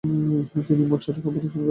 তিনি মোট চারটি কাব্য রচনা করেন।